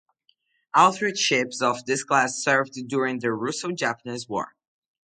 All three ships of this class served during the Russo-Japanese War.